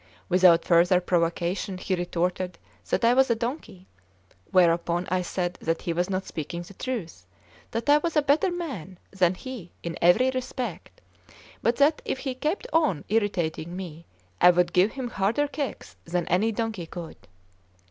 Without further provocation he retorted that I was a donkey; whereupon I said that he was not speaking the truth; that I was a better man than he in every respect, but that if he kept on irritating me I would give him harder kicks than any donkey could.